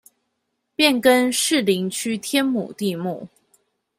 變更士林區天母地目